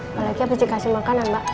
apalagi abis dikasih makan ya mbak